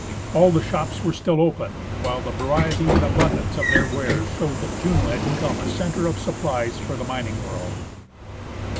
All the shops were still open, while the variety and abundance of their wares showed that Juneau had become a centre of supplies for the mining world.